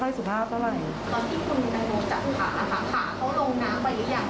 ตอนที่คุณจับขาเขาลงน้ำไปไหน